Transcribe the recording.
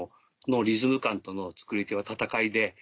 リズム感との作り手は闘いで。